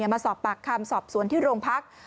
มาสอบปากคำสอบสวนที่โรงพัก